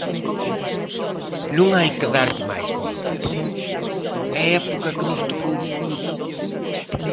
Non hai que darlle máis voltas, é a época que nos tocou vivir.